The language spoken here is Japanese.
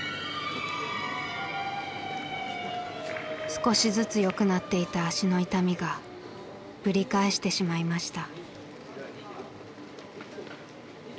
少しずつよくなっていた足の痛みがぶり返してしまいました。